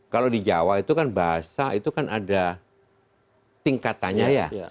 kalau di jawa itu kan bahasa itu kan ada tingkatannya ya